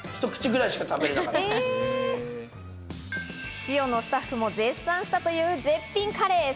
ｓｉｏのスタッフも絶賛したというこのカレー。